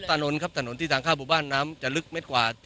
ถนนครับถนนที่ทางเข้าหมู่บ้านน้ำจะลึกเมตรกว่า